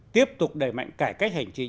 tiếp tục đẩy mạnh cải cách hành chính